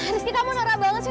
rizky kamu nara banget sih